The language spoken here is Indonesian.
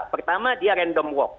pertama dia random walk